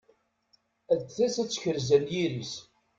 Ad d-tas ad tekrez anyir-is.